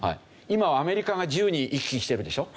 今はアメリカが自由に行き来してるでしょ。